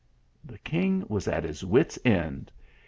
The king was at his wit s end.